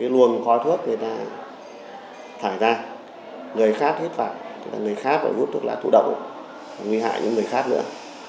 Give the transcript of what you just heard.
luồng khói thuốc người ta thải ra người khác hít phải người khác phải hút thuốc lá thụ động nguy hại người khác nữa